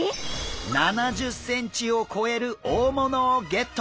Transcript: ７０ｃｍを超える大物をゲット！